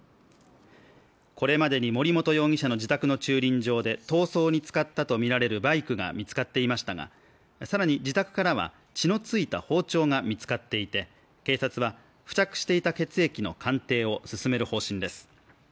これまでに森本容疑者の自宅の駐輪場で逃走に使ったとみられるバイクが見つかっていましたが、更に自宅からは血の付いた包丁が見つかっていて警察は付着していた血液の鑑定を進める方針です。